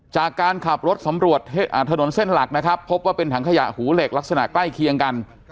จากการขับรถสำรวจถนนเส้นหลักนะครับพบว่าเป็นถังขยะหูเหล็กลักษณะใกล้เคียงกัน